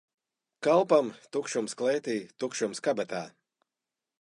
Kalpam tukšums klētī, tukšums kabatā.